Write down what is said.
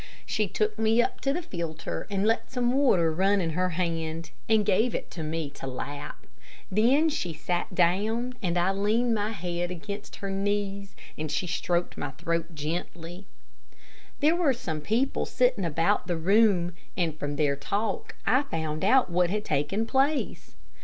She took me up to the filter and let some water run in her hand, and gave it to me to lap. Then she sat down and I leaned my head against her knees, and she stroked my throat gently. There were some people sitting about the room, and, from their talk, I found out what had taken place.